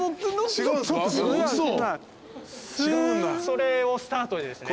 それをスタートでですね。